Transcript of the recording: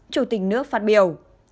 chủ tịch nước phát biểu